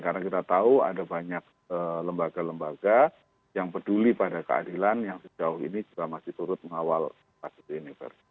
karena kita tahu ada banyak lembaga lembaga yang peduli pada keadilan yang sejauh ini juga masih turut mengawal kasus ini